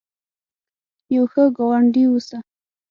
یو ښه ګاونډي اوسه